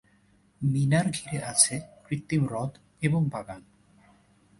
মিনার ঘিরে আছে কৃত্রিম হ্রদ এবং বাগান।